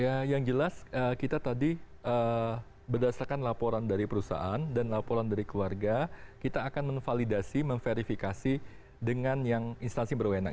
ya yang jelas kita tadi berdasarkan laporan dari perusahaan dan laporan dari keluarga kita akan menvalidasi memverifikasi dengan yang instansi berwenang